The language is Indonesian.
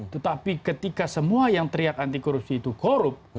tetapi ketika semua yang teriak anti korupsi itu korup